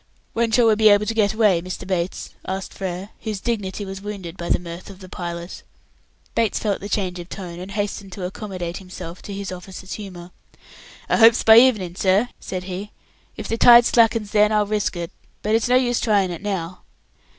"When shall we be able to get away, Mr. Bates?" asked Frere, whose dignity was wounded by the mirth of the pilot. Bates felt the change of tone, and hastened to accommodate himself to his officer's humour. "I hopes by evening, sir," said he; "if the tide slackens then I'll risk it; but it's no use trying it now."